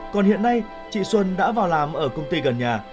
còn hiện nay chị xuân đã vào làm ở công ty gần nhà